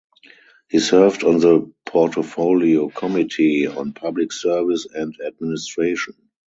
He served on the Portfolio Committee on Public Service and Administration.